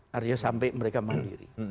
harusnya sampai mereka mandiri